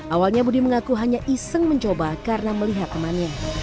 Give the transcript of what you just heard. awalnya budi mengaku hanya iseng mencoba karena melihat temannya